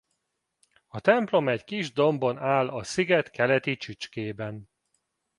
A templom egy kis dombon áll a sziget keleti csücskében.